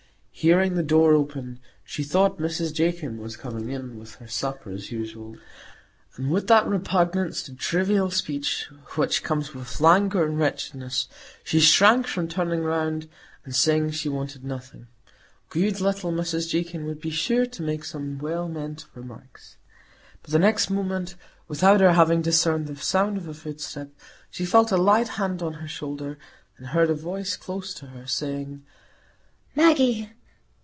Hearing the door open, she thought Mrs Jakin was coming in with her supper, as usual; and with that repugnance to trivial speech which comes with languor and wretchedness, she shrank from turning round and saying she wanted nothing; good little Mrs Jakin would be sure to make some well meant remarks. But the next moment, without her having discerned the sound of a footstep, she felt a light hand on her shoulder, and heard a voice close to her saying, "Maggie!"